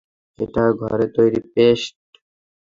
এটা ঘরে তৈরি পেস্ট।